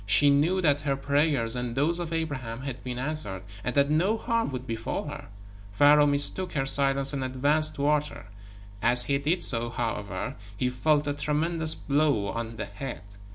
She knew that her prayers, and those of Abraham, had been answered, and that no harm would befall her. Pharaoh mistook her silence and advanced toward her. As he did so, however, he felt a tremendous blow on the head.